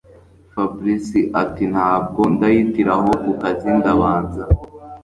Fabric atintabwo ndahitira aho kukazi ndabanza